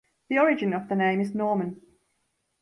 The origin of the name is Norman.